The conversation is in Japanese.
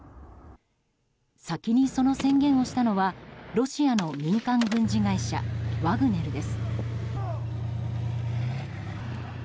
先にその宣言をしたのはロシアの民間軍事会社ワグネルです。